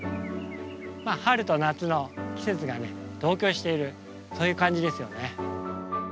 まあ春と夏の季節が同居しているそういう感じですよね。